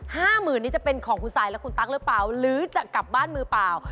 ห้าหมื่นนี้จะเป็นของคุณซายและคุณตั๊กหรือเปล่าหรือจะกลับบ้านมือเปล่า